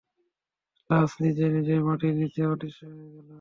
লাশ নিজে নিজেই মাটির নীচে অদৃশ্য হয়ে গেল।